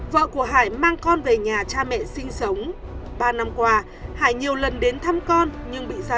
vợ của hải mang con về nhà cha mẹ sinh sống ba năm qua hải nhiều lần đến thăm con nhưng bị gia đình